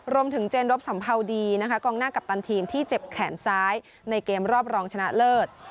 เจนรบสัมภาวดีนะคะกองหน้ากัปตันทีมที่เจ็บแขนซ้ายในเกมรอบรองชนะเลิศ